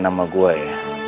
nama gua ya